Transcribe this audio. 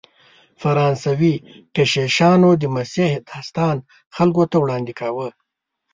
فرانسوي کشیشانو د مسیح داستان خلکو ته وړاندې کاوه.